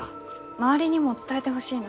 周りにも伝えてほしいの。